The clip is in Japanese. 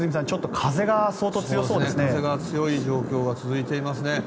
風が強い状況が続いていますね。